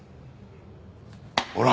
ほら！